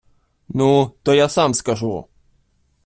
Ну, то я сам скажу!